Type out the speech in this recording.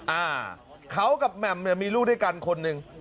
อ่าเขากับแหม่มเนี่ยมีลูกด้วยกันคนหนึ่ง